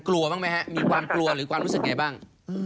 กลัวบ้างไหมฮะมีความกลัวหรือความรู้สึกไงบ้าง